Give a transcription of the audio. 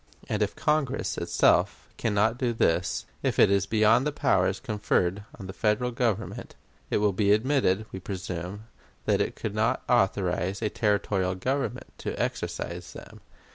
And if Congress itself can not do this if it is beyond the powers conferred on the Federal Government it will be admitted, we presume, that it could not authorize a territorial government to exercise them.